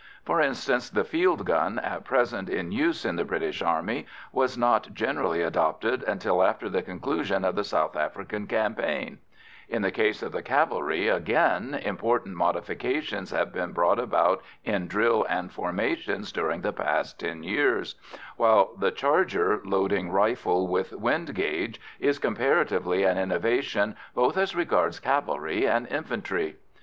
For instance, the field gun at present in use in the British Army was not generally adopted until after the conclusion of the South African campaign; in the case of the cavalry, again, important modifications have been brought about in drill and formations during the last ten years, while the charger loading rifle with wind gauge is comparatively an innovation both as regards cavalry and infantry.